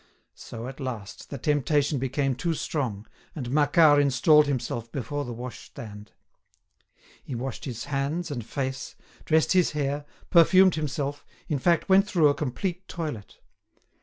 So, at last, the temptation became too strong, and Macquart installed himself before the washstand. He washed his hands and face, dressed his hair, perfumed himself, in fact went through a complete toilet.